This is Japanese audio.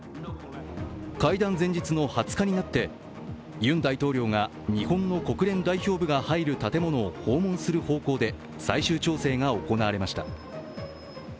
会談前日の２０日になってユン大統領が日本の国連代表部が入る建物を訪問する方向で最終調整が行われました。